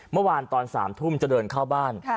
เมื่อวานตอน๓ทุ่มจะเดินเข้าบ้าน